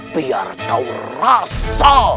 biar tahu rasa